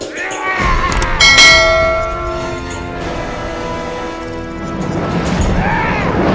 cepat kak lala